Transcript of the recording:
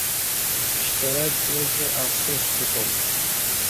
.شترک اُڅ افسوس کوتوم